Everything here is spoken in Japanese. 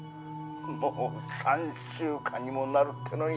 もう３週間にもなるってのに。